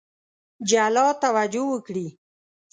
جلا توجه وکړي.